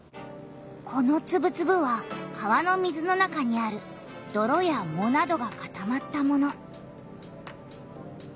このつぶつぶは川の水の中にあるどろやもなどがかたまったもの。